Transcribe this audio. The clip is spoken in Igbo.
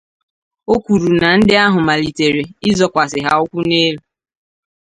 O kwuru na ndị ahụ malitere ịzọkwasị ha ụkwụ n'elu